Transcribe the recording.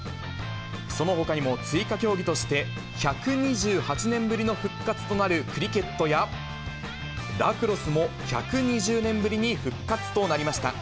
そのほかにも追加競技として、１２８年ぶりの復活となるクリケットや、ラクロスも１２０年ぶりに復活となりました。